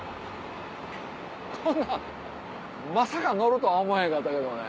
こんなんまさか乗るとは思わへんかったけどね。